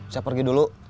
saya pergi dulu